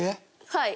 はい。